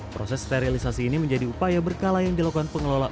proses sterilisasi ini menjadi upaya berkala yang dilakukan pengelola